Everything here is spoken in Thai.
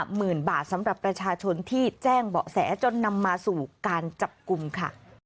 หมื่นบาทสำหรับประชาชนที่แจ้งเบาะแสจนนำมาสู่การจับกลุ่มค่ะ